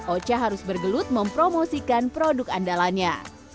ocha harus bergelut mempromosikan produk andalanya